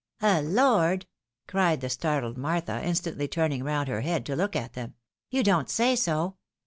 "A lord!" cried the startled Martha, instantly turning round her head to look at them. " You don't say so